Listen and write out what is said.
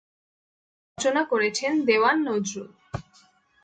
গীত রচনা করেছেন দেওয়ান নজরুল।